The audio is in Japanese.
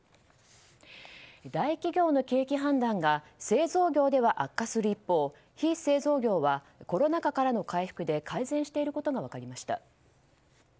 大企業の景気判断が製造業では悪化する一方非製造業はコロナ禍からの回復で改善していることが分かりました。